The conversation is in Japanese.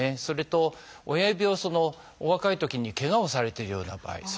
それと親指をお若いときにけがをされているような場合。